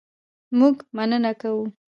مونږ مننه کوو